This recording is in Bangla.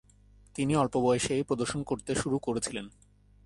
তিনি অল্প বয়সেই প্রদর্শন করতে শুরু করেছিলেন।